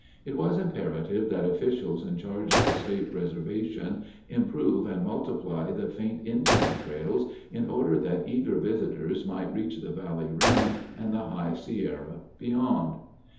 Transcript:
It was imperative that officials in charge of the state reservation improve and multiply the faint Indian trails in order that eager visitors might reach the valley rim and the High Sierra beyond.